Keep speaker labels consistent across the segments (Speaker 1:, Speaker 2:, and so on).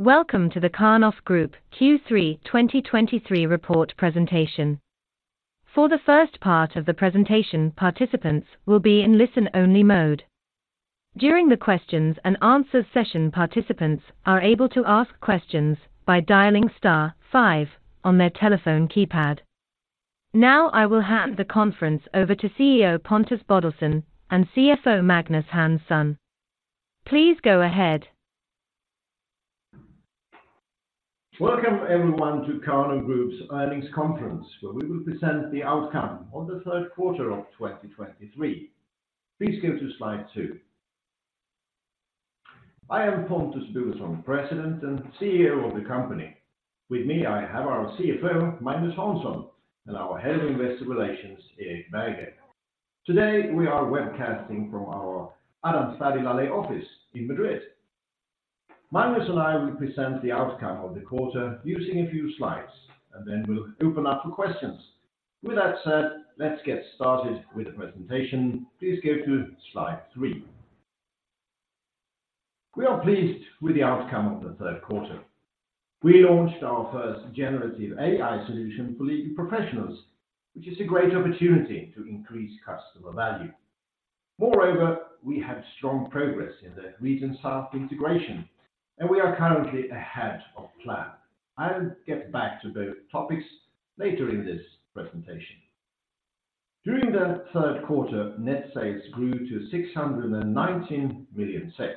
Speaker 1: Welcome to the Karnov Group Q3 2023 report presentation. For the first part of the presentation, participants will be in listen-only mode. During the questions and answers session, participants are able to ask questions by dialing star five on their telephone keypad. Now, I will hand the conference over to CEO Pontus Bodelsson and CFO Magnus Hansson. Please go ahead.
Speaker 2: Welcome everyone to Karnov Group's earnings conference, where we will present the outcome of the third quarter of 2023. Please go to slide 2. I am Pontus Bodelsson, President and CEO of the company. With me, I have our CFO, Magnus Hansson, and our Head of Investor Relations, Erik Berggren. Today, we are webcasting from our Aranzadi LA LEY office in Madrid. Magnus and I will present the outcome of the quarter using a few slides, and then we'll open up for questions. With that said, let's get started with the presentation. Please go to slide 3. We are pleased with the outcome of the third quarter. We launched our first generative AI solution for leading professionals, which is a great opportunity to increase customer value. Moreover, we have strong progress in the Region South integration, and we are currently ahead of plan. I'll get back to both topics later in this presentation. During the third quarter, net sales grew to 619 million SEK.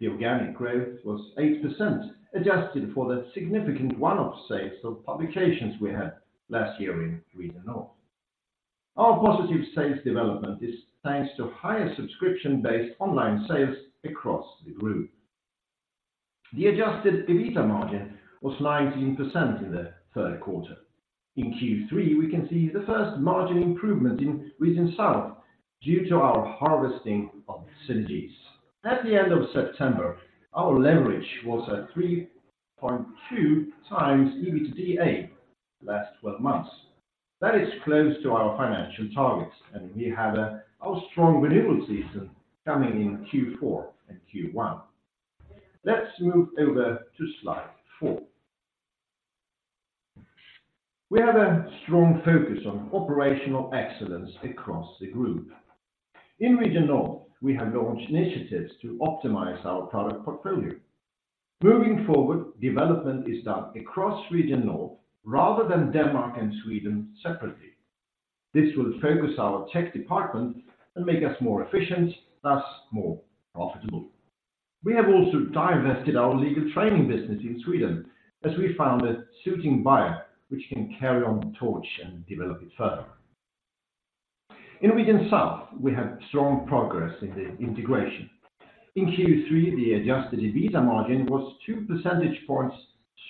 Speaker 2: The organic growth was 8%, adjusted for the significant one-off sales of publications we had last year in Region North. Our positive sales development is thanks to higher subscription-based online sales across the group. The Adjusted EBITDA margin was 19% in the third quarter. In Q3, we can see the first margin improvement in Region South due to our harvesting of synergies. At the end of September, our leverage was at 3.2 times EBITDA last twelve months. That is close to our financial targets, and we had our strong renewal season coming in Q4 and Q1. Let's move over to slide 4. We have a strong focus on operational excellence across the group. In Region North, we have launched initiatives to optimize our product portfolio. Moving forward, development is done across Region North rather than Denmark and Sweden separately. This will focus our tech department and make us more efficient, thus more profitable. We have also divested our legal training business in Sweden, as we found a suitable buyer, which can carry on the torch and develop it further. In Region South, we have strong progress in the integration. In Q3, the Adjusted EBITDA margin was 2 percentage points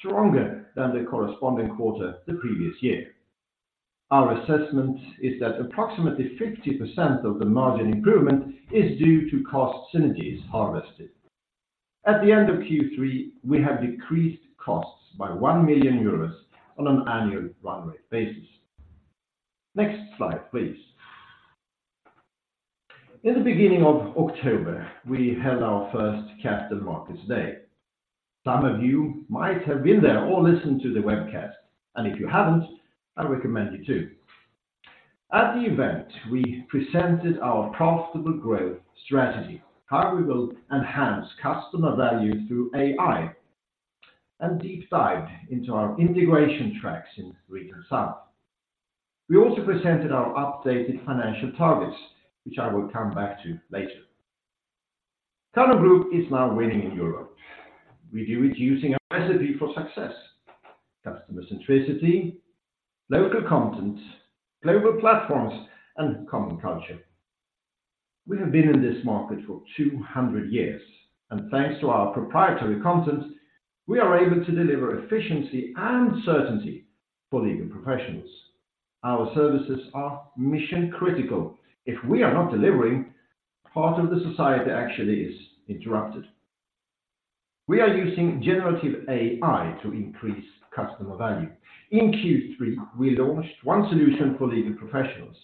Speaker 2: stronger than the corresponding quarter the previous year. Our assessment is that approximately 50% of the margin improvement is due to cost synergies harvested. At the end of Q3, we have decreased costs by 1 million euros on an annual run rate basis. Next slide, please. In the beginning of October, we held our first Capital Markets Day. Some of you might have been there or listened to the webcast, and if you haven't, I recommend you to. At the event, we presented our profitable growth strategy, how we will enhance customer value through AI, and deep dive into our integration tracks in Region South. We also presented our updated financial targets, which I will come back to later. Karnov Group is now winning in Europe. We do it using our recipe for success: customer centricity, local content, global platforms, and common culture. We have been in this market for 200 years, and thanks to our proprietary content, we are able to deliver efficiency and certainty for legal professionals. Our services are mission-critical. If we are not delivering, part of the society actually is interrupted. We are using generative AI to increase customer value. In Q3, we launched one solution for legal professionals.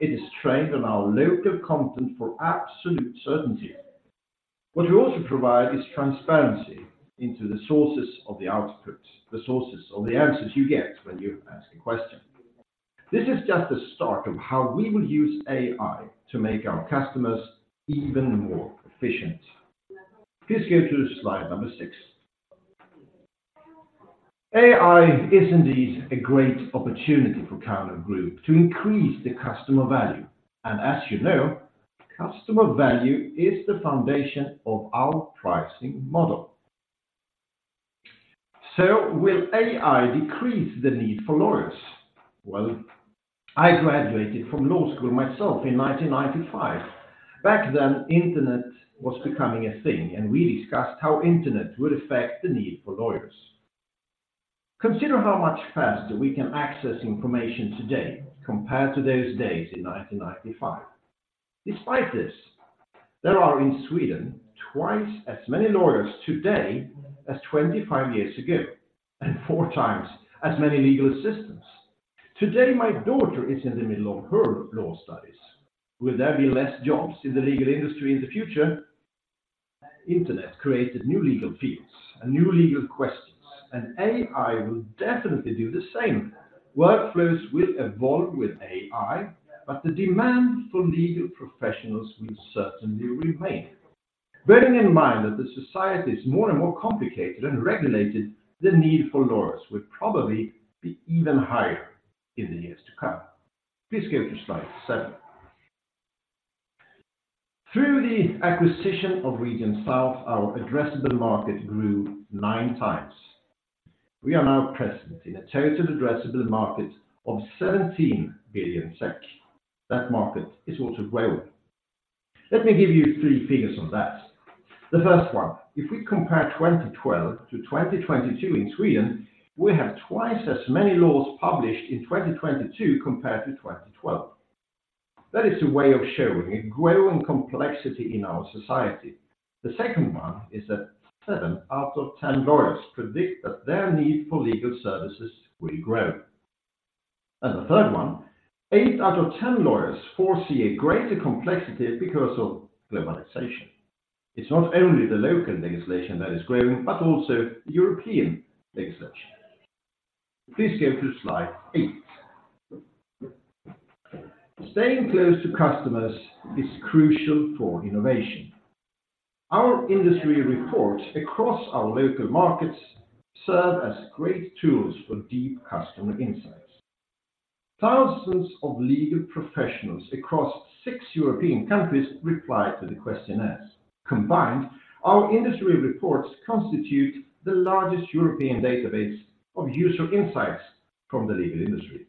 Speaker 2: It is trained on our local content for absolute certainty. What we also provide is transparency into the sources of the output, the sources, or the answers you get when you ask a question. This is just the start of how we will use AI to make our customers even more efficient. Please go to slide number 6. AI is indeed a great opportunity for Karnov Group to increase the customer value, and as you know, customer value is the foundation of our pricing model. So will AI decrease the need for lawyers? Well, I graduated from law school myself in 1995. Back then, internet was becoming a thing, and we discussed how internet would affect the need for lawyers. Consider how much faster we can access information today compared to those days in 1995. Despite this, there are, in Sweden, twice as many lawyers today as 25 years ago, and 4 times as many legal assistants... Today, my daughter is in the middle of her law studies. Will there be less jobs in the legal industry in the future? Internet created new legal fields and new legal questions, and AI will definitely do the same. Workflows will evolve with AI, but the demand for legal professionals will certainly remain. Bearing in mind that the society is more and more complicated and regulated, the need for lawyers will probably be even higher in the years to come. Please go to slide 7. Through the acquisition of Region South, our addressable market grew nine times. We are now present in a total addressable market of 17 billion SEK. That market is also growing. Let me give you three figures on that. The first one, if we compare 2012 to 2022 in Sweden, we have twice as many laws published in 2022 compared to 2012. That is a way of showing a growing complexity in our society. The second one is that seven out of 10 lawyers predict that their need for legal services will grow. And the third one, eight out of 10 lawyers foresee a greater complexity because of globalization. It's not only the local legislation that is growing, but also European legislation. Please go to slide 8. Staying close to customers is crucial for innovation. Our industry reports across our local markets serve as great tools for deep customer insights. Thousands of legal professionals across six European countries replied to the questionnaires. Combined, our industry reports constitute the largest European database of user insights from the legal industry.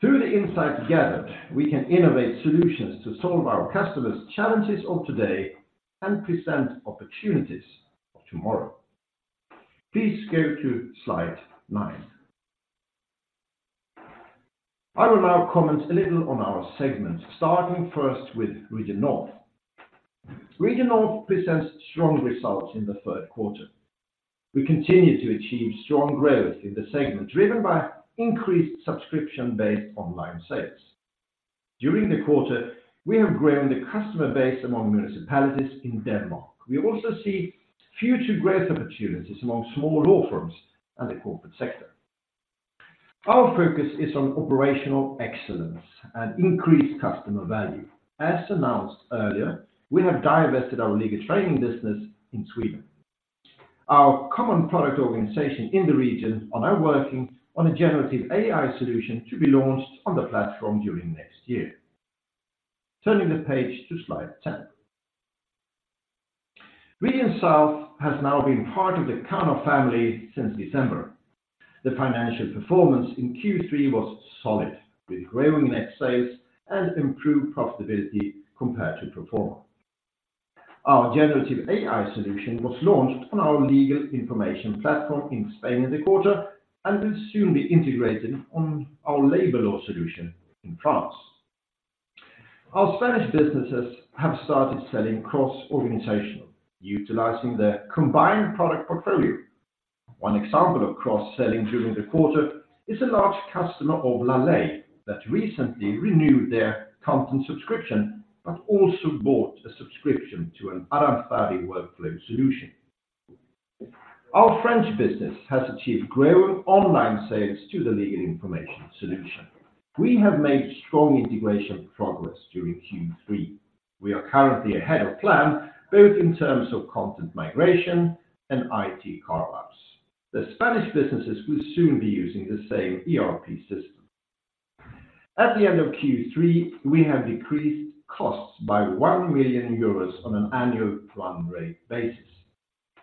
Speaker 2: Through the insight gathered, we can innovate solutions to solve our customers' challenges of today and present opportunities of tomorrow. Please go to slide 9. I will now comment a little on our segment, starting first with Region North. Region North presents strong results in the third quarter. We continue to achieve strong growth in the segment, driven by increased subscription-based online sales. During the quarter, we have grown the customer base among municipalities in Denmark. We also see future growth opportunities among small law firms and the corporate sector. Our focus is on operational excellence and increased customer value. As announced earlier, we have divested our legal training business in Sweden. Our common product organization in the region are now working on a Generative AI solution to be launched on the platform during next year. Turning the page to slide 10. Region South has now been part of the Karnov family since December. The financial performance in Q3 was solid, with growing net sales and improved profitability compared to pro forma. Our generative AI solution was launched on our legal information platform in Spain in the quarter and will soon be integrated on our labor law solution in France. Our Spanish businesses have started selling cross-organizationally, utilizing their combined product portfolio. One example of cross-selling during the quarter is a large customer of Lamy that recently renewed their content subscription, but also bought a subscription to an Aranzadi workflow solution. Our French business has achieved growing online sales to the legal information solution. We have made strong integration progress during Q3. We are currently ahead of plan, both in terms of content migration and IT consolidation. The Spanish businesses will soon be using the same ERP system. At the end of Q3, we have decreased costs by 1 million euros on an annual plan rate basis.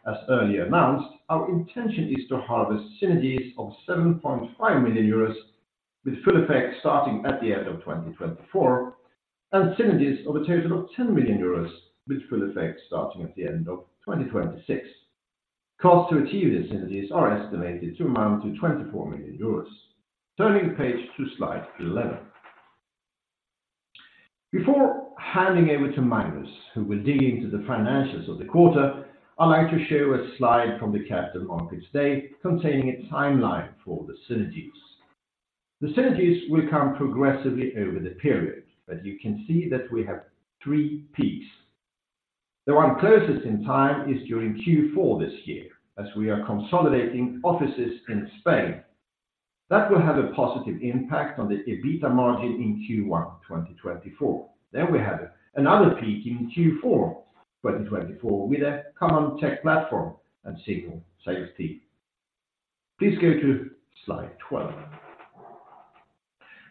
Speaker 2: As earlier announced, our intention is to harvest synergies of 7.5 million euros, with full effect starting at the end of 2024, and synergies of a total of 10 million euros, with full effect starting at the end of 2026. Cost to achieve the synergies are estimated to amount to 24 million euros. Turning the page to slide 11. Before handing over to Magnus, who will dig into the financials of the quarter, I'd like to show a slide from the Capital Markets Day containing a timeline for the synergies. The synergies will come progressively over the period, but you can see that we have three peaks. The one closest in time is during Q4 this year, as we are consolidating offices in Spain. That will have a positive impact on the EBITDA margin in Q1 2024. Then we have another peak in Q4 2024, with a common tech platform and single sales team. Please go to slide 12.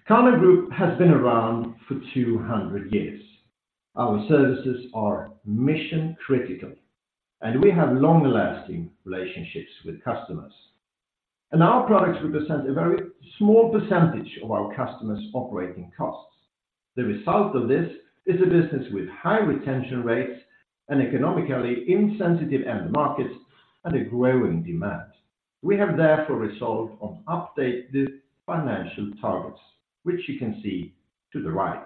Speaker 2: Karnov Group has been around for 200 years. Our services are mission critical, and we have long-lasting relationships with customers. Our products represent a very small percentage of our customers' operating costs. The result of this is a business with high retention rates and economically insensitive end markets and a growing demand. We have therefore resolved on updated financial targets, which you can see to the right...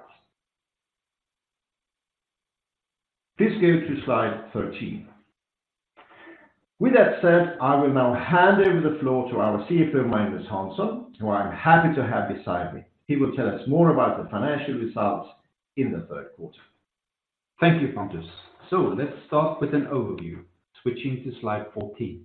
Speaker 2: Please go to slide 13. With that said, I will now hand over the floor to our CFO, Magnus Hansson, who I'm happy to have beside me. He will tell us more about the financial results in the third quarter.
Speaker 3: Thank you, Pontus. So let's start with an overview, switching to slide 14.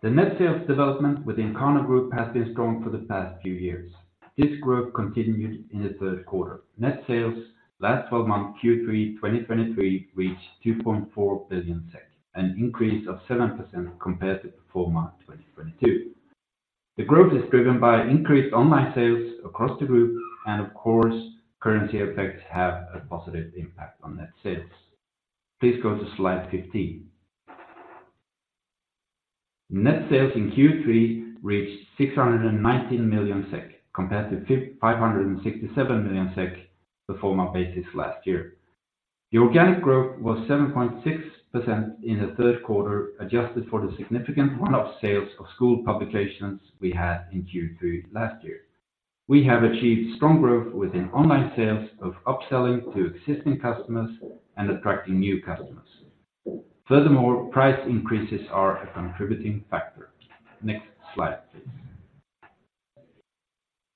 Speaker 3: The net sales development with the Karnov Group has been strong for the past few years. This growth continued in the third quarter. Net sales last twelve months, Q3 2023, reached 2.4 billion SEK, an increase of 7% compared to pro forma 2022. The growth is driven by increased online sales across the group, and of course, currency effects have a positive impact on net sales. Please go to slide 15. Net sales in Q3 reached 619 million SEK, compared to 567 million SEK pro forma basis last year. The organic growth was 7.6% in the third quarter, adjusted for the significant one-off sales of school publications we had in Q3 last year. We have achieved strong growth within online sales of upselling to existing customers and attracting new customers. Furthermore, price increases are a contributing factor. Next slide, please.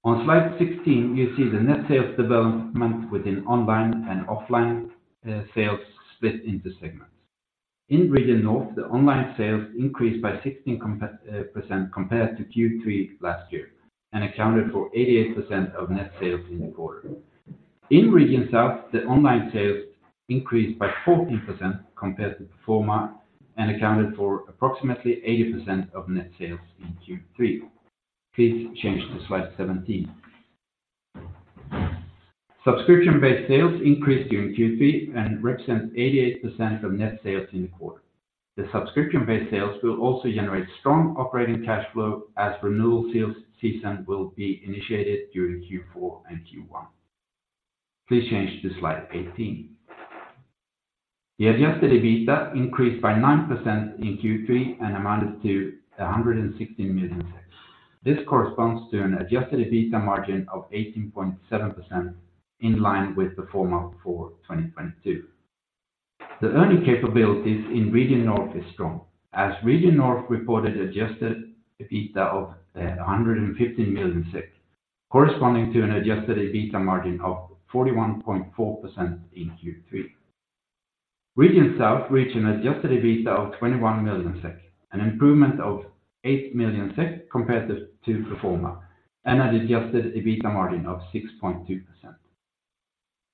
Speaker 3: On slide 16, you see the net sales development within online and offline sales split into segments. In Region North, the online sales increased by 16% compared to Q3 last year and accounted for 88% of net sales in the quarter. In Region South, the online sales increased by 14% compared to pro forma and accounted for approximately 80% of net sales in Q3. Please change to slide 17. Subscription-based sales increased during Q3 and represent 88% of net sales in the quarter. The subscription-based sales will also generate strong operating cash flow as renewal sales season will be initiated during Q4 and Q1. Please change to slide 18. The adjusted EBITDA increased by 9% in Q3 and amounted to 160 million SEK. This corresponds to an adjusted EBITDA margin of 18.7% in line with the pro forma for 2022. The earning capabilities in Region North is strong, as Region North reported adjusted EBITDA of 150 million SEK, corresponding to an adjusted EBITDA margin of 41.4% in Q3. Region South reached an adjusted EBITDA of 21 million SEK, an improvement of 8 million SEK compared to pro forma, and an adjusted EBITDA margin of 6.2%.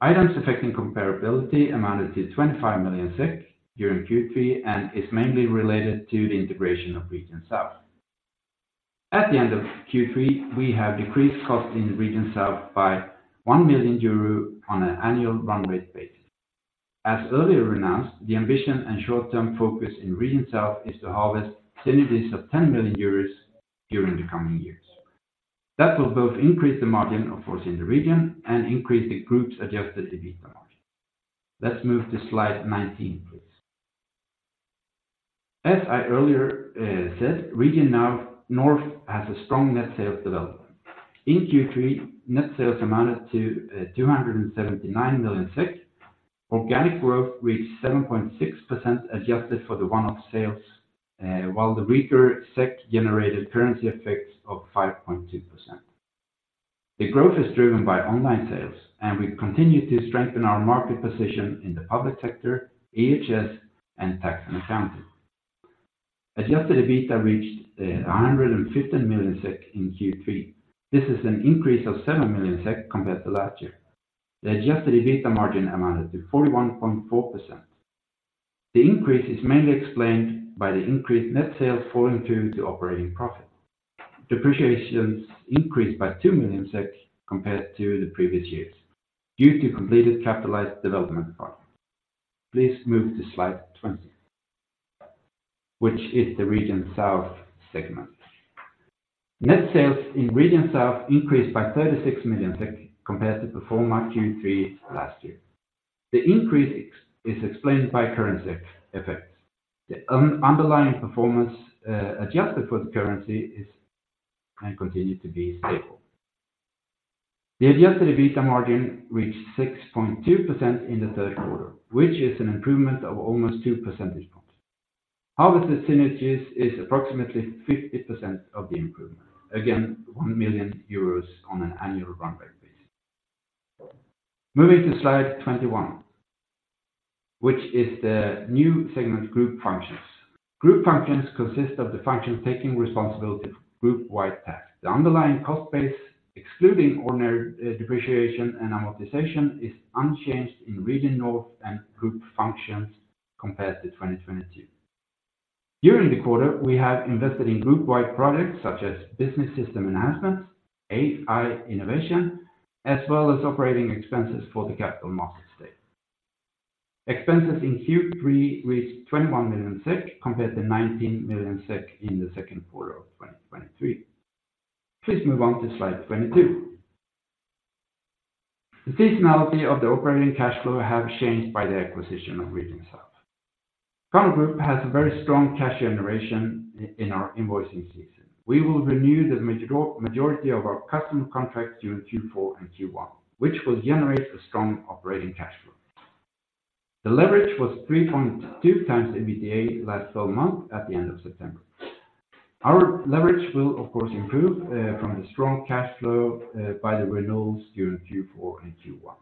Speaker 3: Items affecting comparability amounted to 25 million SEK during Q3 and is mainly related to the integration of Region South. At the end of Q3, we have decreased cost in Region South by 1 million euro on an annual run rate basis. As earlier announced, the ambition and short-term focus in Region South is to harvest synergies of 10 million euros during the coming years. That will both increase the margin, of course, in the region and increase the group's adjusted EBITDA margin. Let's move to slide 19, please. As I earlier said, Region North has a strong net sales development. In Q3, net sales amounted to 279 million SEK. Organic growth reached 7.6%, adjusted for the one-off sales while the weaker SEK generated currency effects of 5.2%. The growth is driven by online sales, and we continue to strengthen our market position in the public sector, EHS, and tax and accounting. Adjusted EBITDA reached 150 million SEK in Q3. This is an increase of 7 million SEK compared to last year. The adjusted EBITDA margin amounted to 41.4%. The increase is mainly explained by the increased net sales falling through to operating profit. Depreciation increased by 2 million SEK compared to the previous years due to completed capitalized development projects. Please move to slide 20, which is the Region South segment. Net sales in Region South increased by 36 million compared to pro forma Q3 last year. The increase is explained by currency effects. The underlying performance, adjusted for the currency, is and continue to be stable. The adjusted EBITDA margin reached 6.2% in the third quarter, which is an improvement of almost two percentage points. Harvested synergies is approximately 50% of the improvement. Again, 1 million euros on an annual run rate basis. Moving to slide 21, which is the new segment group functions. Group functions consist of the function taking responsibility for group-wide tasks. The underlying cost base, excluding ordinary depreciation and amortization, is unchanged in Region North and group functions compared to 2022. During the quarter, we have invested in group-wide products such as business system enhancements, AI innovation, as well as operating expenses for the Capital Markets Day. Expenses in Q3 reached 21 million SEK, compared to 19 million SEK in the second quarter of 2023. Please move on to slide 22. The seasonality of the operating cash flow have changed by the acquisition of Region South. Karnov Group has a very strong cash generation in our invoicing season. We will renew the majority of our customer contracts during Q4 and Q1, which will generate a strong operating cash flow. The leverage was 3.2 times EBITDA last 12 months at the end of September. Our leverage will, of course, improve from the strong cash flow by the renewals during Q4 and Q1.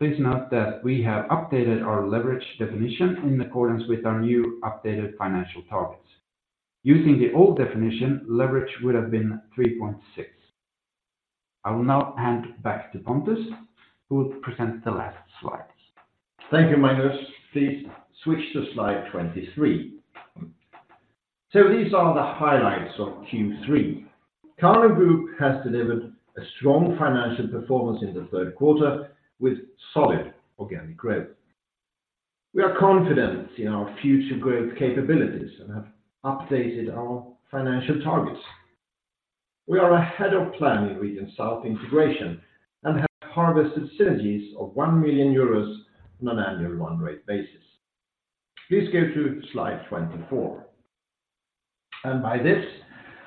Speaker 3: Please note that we have updated our leverage definition in accordance with our new updated financial targets. Using the old definition, leverage would have been 3.6. I will now hand back to Pontus, who will present the last slides.
Speaker 2: Thank you, Magnus. Please switch to slide 23. So these are the highlights of Q3. Karnov Group has delivered a strong financial performance in the third quarter with solid organic growth. We are confident in our future growth capabilities and have updated our financial targets. We are ahead of plan in Region South integration and have harvested synergies of 1 million euros on an annual run rate basis. Please go to slide 24. And by this,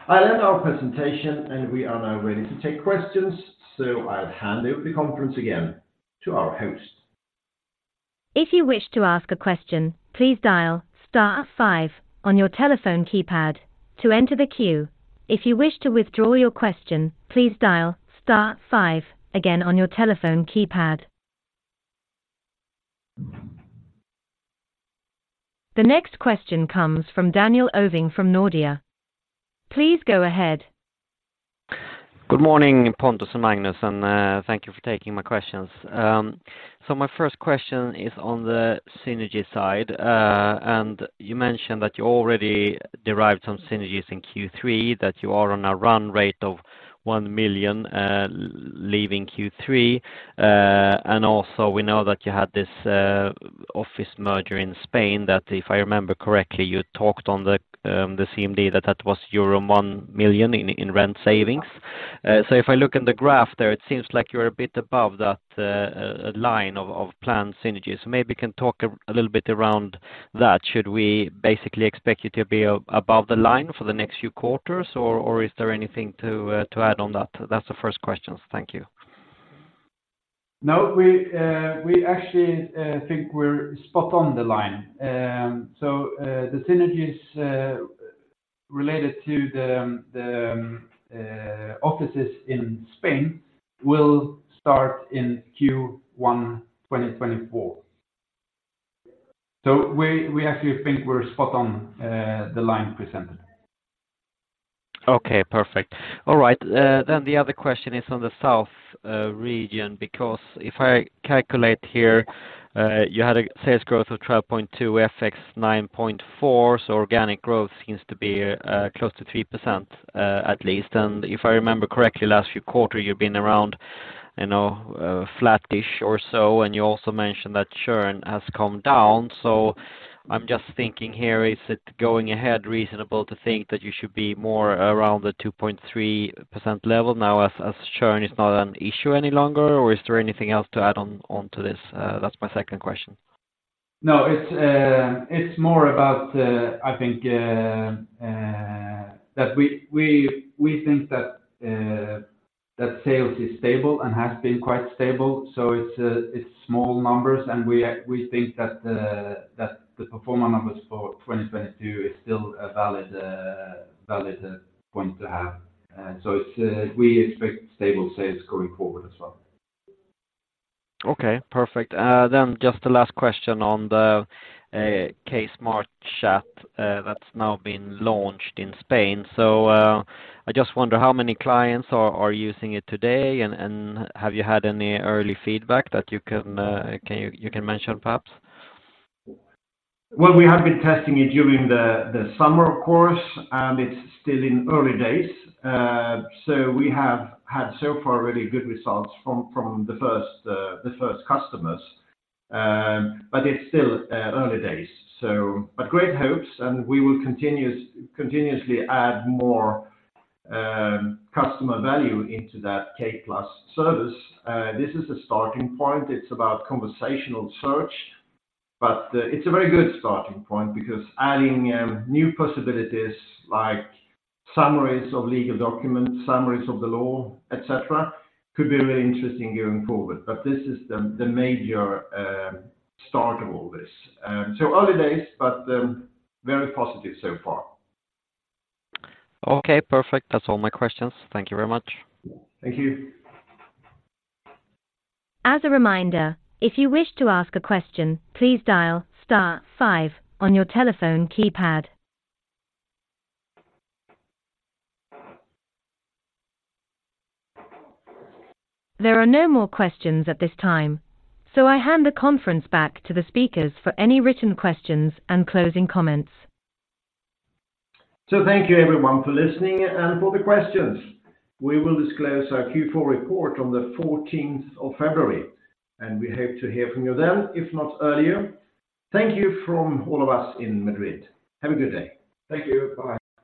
Speaker 2: I'll end our presentation, and we are now ready to take questions, so I'll hand over the conference again to our host.
Speaker 1: If you wish to ask a question, please dial star five on your telephone keypad to enter the queue. If you wish to withdraw your question, please dial star five again on your telephone keypad. The next question comes from Daniel Ovin from Nordea. Please go ahead.
Speaker 4: Good morning, Pontus and Magnus, and thank you for taking my questions. So my first question is on the synergy side. And you mentioned that you already derived some synergies in Q3, that you are on a run rate of 1 million leaving Q3. And also, we know that you had this office merger in Spain, that if I remember correctly, you talked on the CMD, that that was euro 1 million in rent savings. So if I look in the graph there, it seems like you're a bit above that line of planned synergies. So maybe you can talk a little bit around that. Should we basically expect you to be above the line for the next few quarters, or is there anything to add on that? That's the first question. Thank you.
Speaker 2: No, we actually think we're spot on the line. So, the synergies related to the offices in Spain will start in Q1 2024. So we actually think we're spot on the line presented.
Speaker 4: Okay, perfect. All right, then the other question is on the South region, because if I calculate here, you had a sales growth of 12.2, FX 9.4, so organic growth seems to be close to 3%, at least. And if I remember correctly, last few quarter, you've been around, you know, flattish or so, and you also mentioned that churn has come down. So I'm just thinking here, is it going ahead reasonable to think that you should be more around the 2.3% level now as, as churn is not an issue any longer, or is there anything else to add on, on to this? That's my second question.
Speaker 2: No, it's, it's more about, I think, that we think that sales is stable and has been quite stable, so it's, it's small numbers, and we think that the pro forma numbers for 2022 is still a valid point to have. So it's, we expect stable sales going forward as well.
Speaker 4: Okay, perfect. Then just the last question on the K+ Smart Chat, that's now been launched in Spain. So, I just wonder how many clients are using it today, and have you had any early feedback that you can mention, perhaps?
Speaker 2: Well, we have been testing it during the summer, of course, and it's still in early days. So we have had so far really good results from the first customers. But it's still early days, so... But great hopes, and we will continuously add more customer value into that K Plus service. This is a starting point. It's about conversational search, but it's a very good starting point because adding new possibilities like summaries of legal documents, summaries of the law, et cetera, could be really interesting going forward. But this is the major start of all this. So early days, but very positive so far.
Speaker 4: Okay, perfect. That's all my questions. Thank you very much.
Speaker 2: Thank you.
Speaker 1: As a reminder, if you wish to ask a question, please dial star five on your telephone keypad. There are no more questions at this time, so I hand the conference back to the speakers for any written questions and closing comments.
Speaker 2: Thank you everyone for listening and for the questions. We will disclose our Q4 report on the 14th of February, and we hope to hear from you then, if not earlier. Thank you from all of us in Madrid. Have a good day.
Speaker 3: Thank you. Bye.